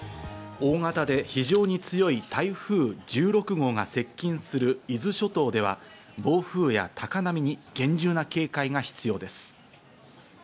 大型で非常に強い台風１６号が接近する伊豆諸島では、暴風や高波に厳重な警戒が必要です。